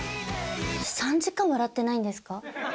３時間笑ってないんですか？